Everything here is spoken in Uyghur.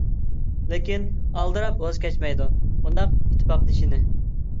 لېكىن ئالدىراپ ۋاز كەچمەيدۇ بۇنداق ئىتتىپاقدىشىنى.